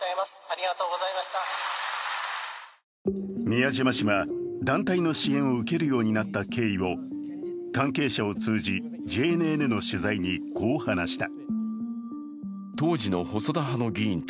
宮島氏は団体の支援を受けるようになった経緯を関係者を通じＪＮＮの取材にこう話した。